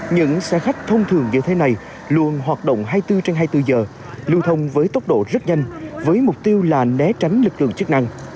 những xe khách thông thường như thế này luôn hoạt động hai mươi bốn trên hai mươi bốn giờ lưu thông với tốc độ rất nhanh với mục tiêu là né tránh lực lượng chức năng